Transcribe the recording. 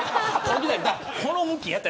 この向きやって。